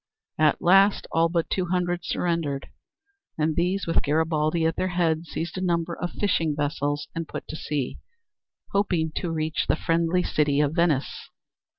At last all but two hundred surrendered, and these, with Garibaldi at their head seized a number of fishing vessels and put to sea, hoping to reach the friendly city of Venice.